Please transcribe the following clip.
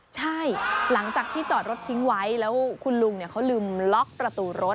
ใช่หลังจากที่จอดรถทิ้งไว้แล้วคุณลุงเขาลืมล็อกประตูรถ